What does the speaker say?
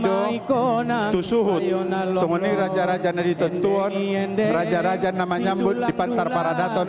konak konak susu hudsoni raja raja nerita tuon raja raja nama nyambut di pantar paradaton